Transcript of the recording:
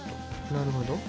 なるほど。